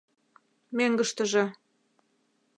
Мӧҥгыштыжӧ.